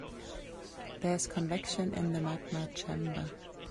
There is convection in the magma chamber.